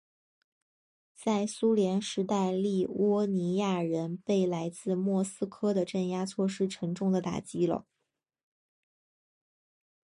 在苏联时代立窝尼亚人被来自莫斯科的镇压措施沉重地打击了。